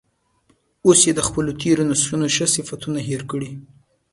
اوس یې د خپلو تیرو نسلونو ښه صفتونه هیر کړي.